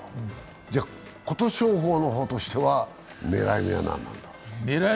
琴勝峰の方としたら狙い目は何だろう。